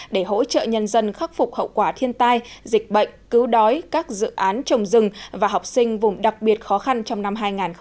để hỗ trợ nhân dân khắc phục hậu quả thiên tai dịch bệnh cứu đói các dự án trồng rừng và học sinh vùng đặc biệt khó khăn trong năm hai nghìn hai mươi